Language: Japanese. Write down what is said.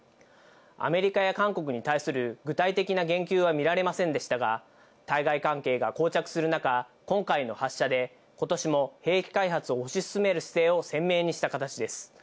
アメリカや韓国に対する具体的な言及は見られませんでしたが、対外関係が膠着する中、今回の発射で、今年も兵器開発を推し進める姿勢を鮮明にした形です。